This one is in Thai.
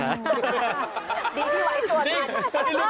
ดีที่ไว้ตัวนั้น